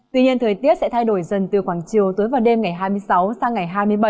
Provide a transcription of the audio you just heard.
tuy nhiên thời tiết sẽ thay đổi dần từ khoảng chiều tối và đêm ngày hai mươi sáu sang ngày hai mươi bảy